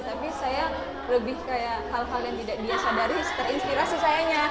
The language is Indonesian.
tapi saya lebih kayak hal hal yang tidak dia sadari terinspirasi sayanya